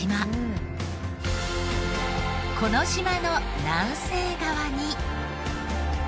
この島の南西側に。